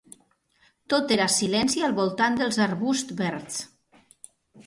Tot era silenci al voltant dels arbusts verds.